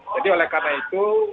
jadi oleh karena itu